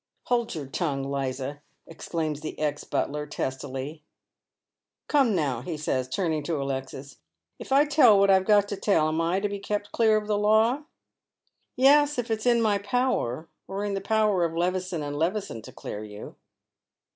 " Hold your tongue, Liza," exclaims the ex butler, testily. " Come, now," he says, turning to Alexis, " if I tell what I've got to tell am I to be kept clear of the law ?"" Yes, if it's in my power, or in the power of Levison and Levison to clear you."